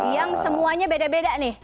yang semuanya beda beda nih